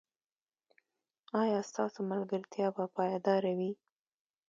ایا ستاسو ملګرتیا به پایداره وي؟